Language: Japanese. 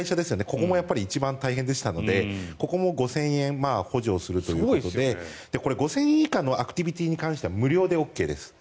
ここも一番大変だったのでここも５０００円補助をするということで５０００円以下のアクティビティーに関しては無料でＯＫです。